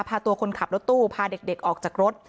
พาตัวคนขับรถตู้พาเด็กออกจากรถ